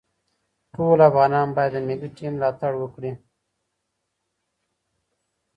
ټول افغانان باید د ملي ټیم ملاتړ وکړي.